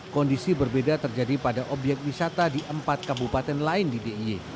kondisi berbeda terjadi pada obyek wisata di empat kabupaten lain di d i e